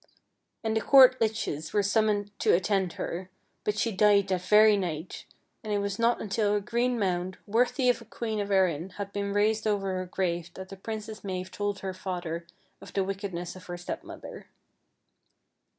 And the court leeches were summoned to at tend her, but she died that very night, and it was not until a green mound, worthy of a queen of Erin, had been raised over her grave that the Princess Mave told her father of the wickedness of her stepmother.